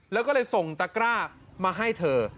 แล้วก็เลยส่งตะกร้ามาให้เธอ